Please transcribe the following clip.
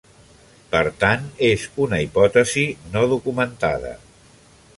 Per tant, és una hipòtesi no documentada.